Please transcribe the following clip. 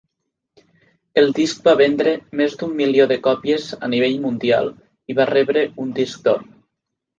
El disc va vendre més d'un milió de còpies a nivell mundial i va rebre un disc d'or.